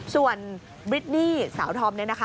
ส่วนบริดนี่สาวธอมเนี่ยนะคะ